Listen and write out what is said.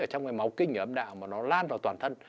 trong máu kinh âm đạo mà nó lan vào toàn thân